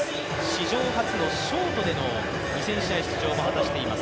史上初のショートでの２０００試合出場も果たしています